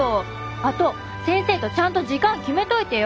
あと先生とちゃんと時間決めといてよ！